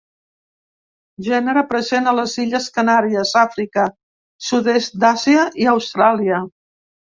Gènere present a les Illes Canàries, Àfrica, sud-est d'Àsia i Austràlia.